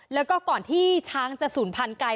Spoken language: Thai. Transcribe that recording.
แล้วก็ก่อนที่ช้างจะสูญพันธุ์ไกล